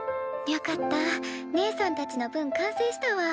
よかったねえさんたちの分完成したわ。